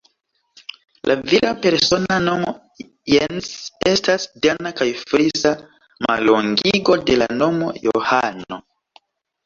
La vira persona nomo Jens estas dana kaj frisa mallongigo de la nomo Johano.